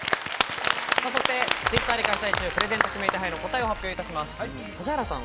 そしてＴｗｉｔｔｅｒで開催中、プレゼント指名手配の答えを発表いたします。